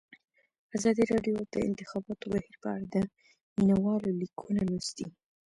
ازادي راډیو د د انتخاباتو بهیر په اړه د مینه والو لیکونه لوستي.